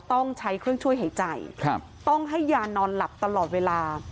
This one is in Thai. ต้องใช้เครื่องช่วยหายใจต้องให้ยานอนหลับตลอดเวลา